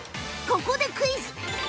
ここでクイズ。